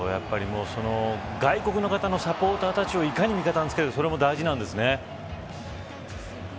外国の方のサポーターたちをいかに味方につけるかも大事なんですね。